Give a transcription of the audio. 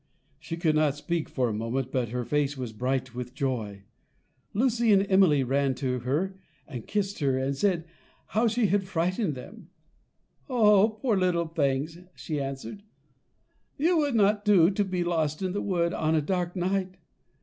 She could not speak for a moment, but her face was bright with joy. Lucy and Emily ran to her and kissed her, and said how she had frightened them. "Poor little things!" she answered: "you would not do to be lost in a wood on a dark night.